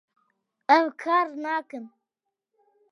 ew kar nakin